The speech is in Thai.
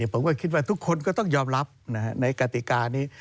ผมก็คิดว่าทุกคนก็ต้องยอมรับในกติกานี้